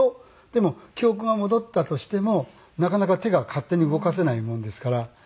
でも記憶が戻ったとしてもなかなか手が勝手に動かせないものですから。